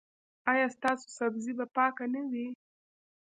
ایا ستاسو سبزي به پاکه نه وي؟